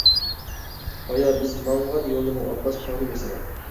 بايا بىز ماڭغان يولنىمۇ ئابباس قارى ياسىغان.